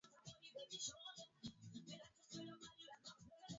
mkulima anapaswa kupewa elimu ya usindikaji wa viazi lishe